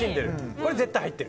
これ絶対入ってる。